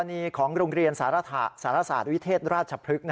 กรณีของโรงเรียนศาลศาสตร์วิทเทศราชพฤศ